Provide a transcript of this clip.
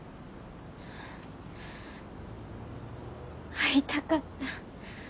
会いたかった。